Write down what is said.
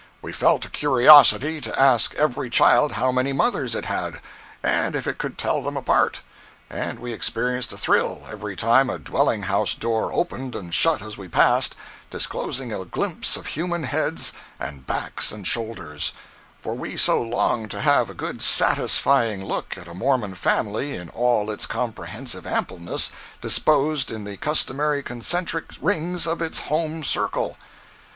We felt a curiosity to ask every child how many mothers it had, and if it could tell them apart; and we experienced a thrill every time a dwelling house door opened and shut as we passed, disclosing a glimpse of human heads and backs and shoulders—for we so longed to have a good satisfying look at a Mormon family in all its comprehensive ampleness, disposed in the customary concentric rings of its home circle.